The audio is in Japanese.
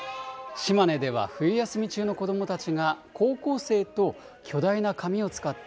島根では冬休み中の子どもたちが、高校生と巨大な紙を使って、